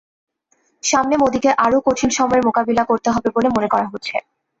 সামনে মোদিকে আরও কঠিন সময়ের মোকাবিলা করতে হবে বলে মনে করা হচ্ছে।